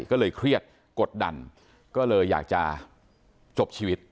ก็เลยเครียดกดดันก็เลยอยากจะจบชีวิต